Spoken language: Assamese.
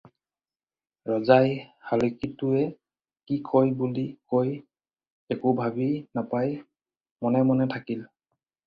ৰজাই শালিকাটোৱে কি কয় বুলি কৈ একো ভাবি নাপাই মনে মনে থাকিল।